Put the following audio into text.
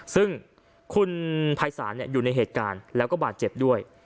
ซึ่งคุณภัยศาลอยู่ในเหตุการณ์แล้วก็บาดเจ็บด้วย